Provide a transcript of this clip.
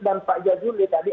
dan pak jaduli tadi